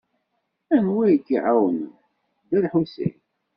Anwa ay k-iɛawnen? D Dda Lḥusin.